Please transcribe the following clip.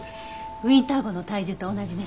ウィンター号の体重と同じね。